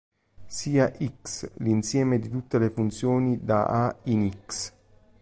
Sia "X" l'insieme di tutte le funzioni da "A" in "X".